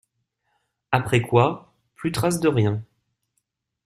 Après quoi, plus trace de rien.